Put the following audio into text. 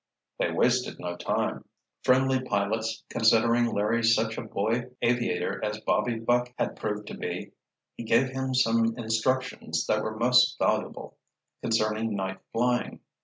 They wasted no time. Friendly pilots, considering Larry such a boy aviator as Bobby Buck had proved to be, gave him some instructions that were most valuable, concerning night flying.